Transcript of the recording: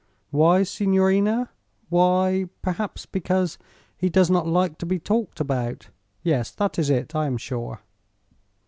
"Why, signorina? Why? Perhaps because he does not like to be talked about. Yes; that is it, I am sure."